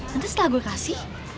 nanti setelah gue kasih